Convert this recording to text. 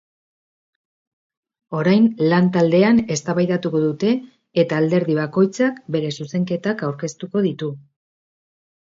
Orain lantaldean eztabaidatuko dute eta alderdi bakoitzak bere zuzenketak aurkeztuko ditu.